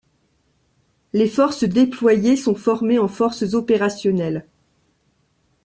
Les forces déployées sont formées en forces opérationnelles.